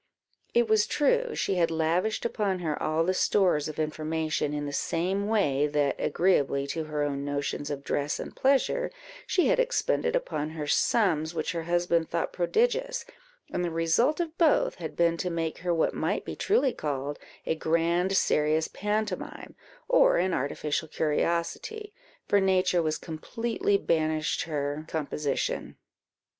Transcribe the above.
It was true, she had lavished upon her all her stores of information, in the same way that, agreeably to her own notions of dress and pleasure, she had expended upon her sums which her husband thought prodigious; and the result of both had been to make her what might be truly called a grand serious pantomime, or an artificial curiosity, for nature was completely banished her composition.